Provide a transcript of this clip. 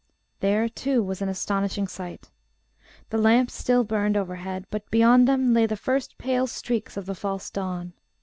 There, too, was an astonishing sight. The lamps still burned overhead, but beyond them lay the first pale streaks of the false dawn.